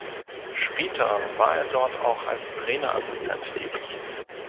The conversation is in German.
Später war er dort auch als Trainerassistent tätig.